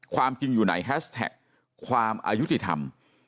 ความจริงอยู่ไหนแฮชแท็กความอายุติธรรม